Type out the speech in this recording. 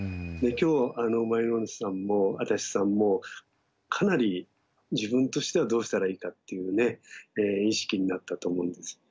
で今日舞の海さんも足立さんもかなり自分としてはどうしたらいいかっていう意識になったと思うんです。